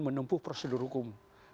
menempuh prosedur hukum